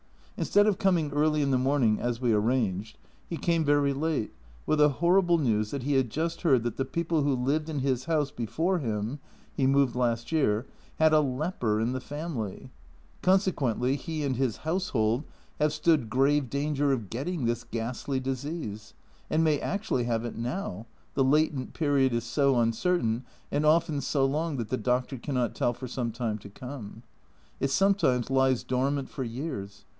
In stead of coming early in the morning, as we arranged, he came very late, with the horrible news that he had just heard that the people who lived in his house before him (he moved last year) had a leper in the family ! Consequently he and his household have stood grave danger of getting this ghastly disease, and may actually have it now, the latent period is so uncertain and often so long that the doctor cannot tell for some time to come. It sometimes lies dormant for years.